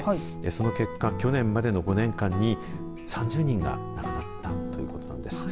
その結果、去年までの５年間に３０人が亡くなったということなんです。